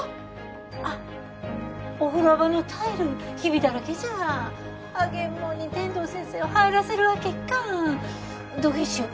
あっお風呂場のタイルヒビだらけじゃあげんもんに天堂先生を入らせるわけいかんどげんしよ？